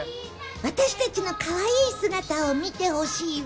私たちのかわいい姿を見てほしいわ。